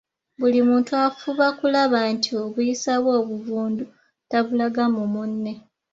Buli muntu afuba okulaba nti obuyisa bwe obuvundu tabulaga mu munne.